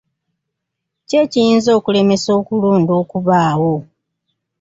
Ki ekiyinza okulemesa okulonda okubaawo?